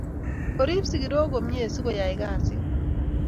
Orip sikirok komiet si koyaikasit